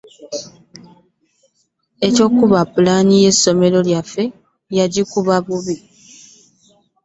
Eyakuba ppulaani ye ssomero lyaffe, yajikuba bubi.